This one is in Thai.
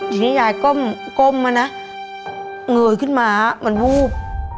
ทีนี้ยายก้มมานะเงยขึ้นมามันวูบ